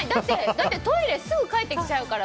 だってトイレすぐ帰ってきちゃうから。